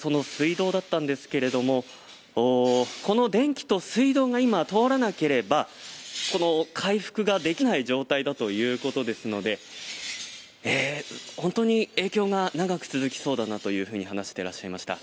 その水道ですがこの電気と水道が今、通らなければ回復ができない状態ということですので本当に影響が長く続きそうだなと話していらっしゃいました。